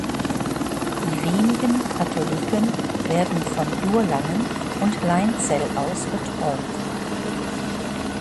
Die wenigen Katholiken werden von Durlangen und Leinzell aus betreut.